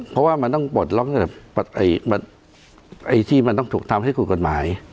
เพราะว่ามันต้องปลดล็อกที่มันต้องถูกทำให้ถูกกฎหมาย